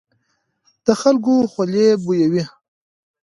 د خلکو خولې بويي.